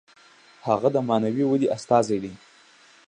هغه د معنوي ودې استازی دی.